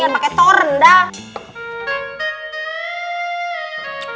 enggak kena ariana menipu